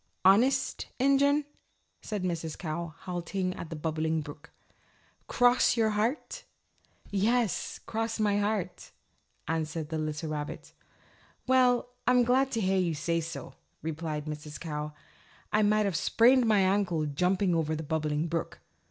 "Honest Injun?" said Mrs. Cow, halting at the Bubbling Brook. "Cross your heart?" "Yes, cross my heart," answered the little rabbit. "Well, I'm glad to hear you say so," replied Mrs. Cow. "I might have sprained my ankle jumping over the Bubbling Brook."